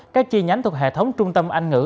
các chi nhánh thuộc hệ thống trung tâm anh ngữ